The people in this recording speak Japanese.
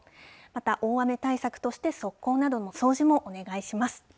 また、大雨対策として、側溝などの掃除もお願いします。